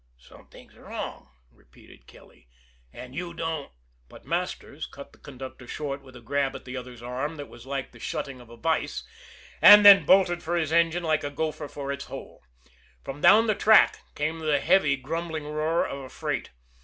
"Something wrong," repeated Kelly, "and you don't " But Masters cut the conductor short with a grab at the other's arm that was like the shutting of a vise and then bolted for his engine like a gopher for its hole. From, down the track came the heavy, grumbling roar of a freight.